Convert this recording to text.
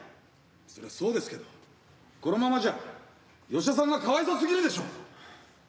そりゃそうですけどこのままじゃ吉田さんがかわいそすぎるでしょ。